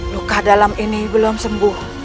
luka dalam ini belum sembuh